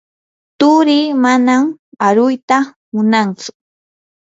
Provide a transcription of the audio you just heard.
turii manan aruyta munantsu.